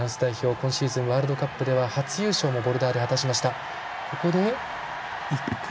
今シーズン、ワールドカップでは初優勝、ボルダーで果たしました。